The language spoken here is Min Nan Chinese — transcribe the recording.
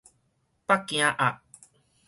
北京鴨